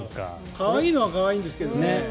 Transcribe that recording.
可愛いのは可愛いんですけどね。